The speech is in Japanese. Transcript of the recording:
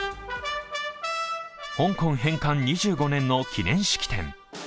香港返還２５年の記念式典。